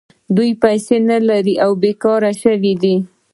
دوی پیسې نلري او بېکاره شوي دي